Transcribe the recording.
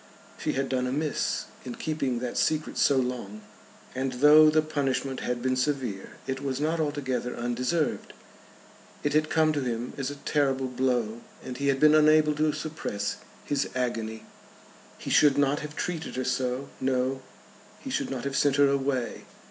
She had done amiss in keeping that secret so long, and though the punishment had been severe, it was not altogether undeserved. It had come to him as a terrible blow, and he had been unable to suppress his agony. He should not have treated her so; no, he should not have sent her away.